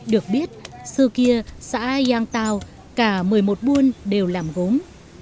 được biết xưa kia xã giang tao cả một mươi một buôn đều làm gốm